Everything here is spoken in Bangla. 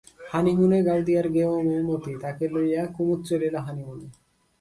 হনিমুনে গাওদিয়ার গেঁয়ো মেয়ে মতি, তাকে লইয়া কুমুদ চলিল হনিমুনে।